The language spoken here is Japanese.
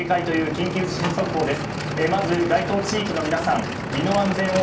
緊急地震速報です。